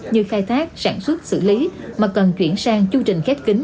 như khai thác sản xuất xử lý mà cần chuyển sang chưu trình khép kính